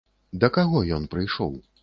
Да каго ён прыйшоў?